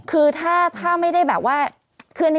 คือถ้าไม่ได้แบบว่า